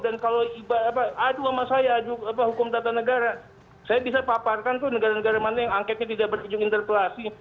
dan kalau aduh sama saya aduh hukum tata negara saya bisa paparkan tuh negara negara mana yang angketnya tidak berujung interpelasi